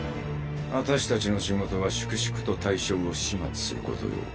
アタシたちの仕事は粛々と対象を始末することよ。